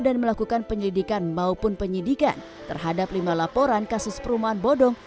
dan melakukan penyelidikan maupun penyidikan terhadap lima laporan kasus perumahan bodong